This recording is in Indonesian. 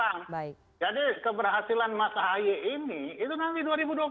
sekarang jadi keberhasilan mas ahaye ini itu nanti dua ribu dua puluh empat